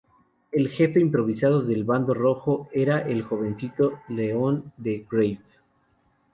El jefe improvisado del bando rojo era el jovencito León de Greiff.